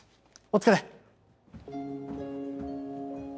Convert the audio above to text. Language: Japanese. お疲れ。